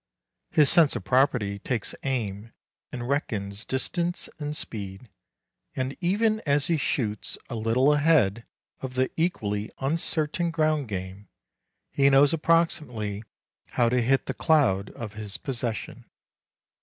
His sense of property takes aim and reckons distance and speed, and even as he shoots a little ahead of the equally uncertain ground game, he knows approximately how to hit the cloud of his possession.